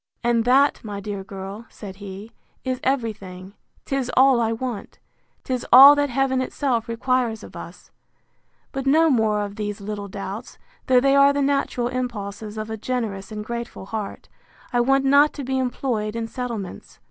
And that, my dear girl, said he, is every thing: 'Tis all I want: 'Tis all that Heaven itself requires of us: But no more of these little doubts, though they are the natural impulses of a generous and grateful heart: I want not to be employed in settlements.